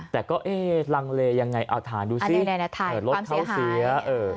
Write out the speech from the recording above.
แต่ก็เอ๊ะลังเลยังไงเอาฐานดูสิรถเขาเสีย